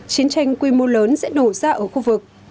chiến tranh quy mô lớn sẽ nổ ra ở khu vực